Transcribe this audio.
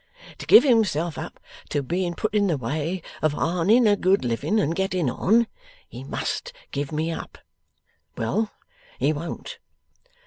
To give himself up to being put in the way of arning a good living and getting on, he must give me up. Well; he won't.